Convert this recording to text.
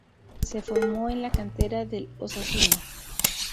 Se formó en la cantera del Osasuna.